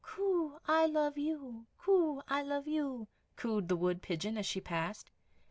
"Coo, I love you; coo, I love you!" cooed the wood pigeon, as she passed.